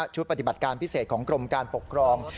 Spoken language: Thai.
ชุดปฏิบัติการพิเศษของกรมการปกครอง